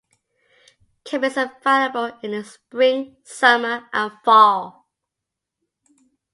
Camping is available in the spring, summer, and fall.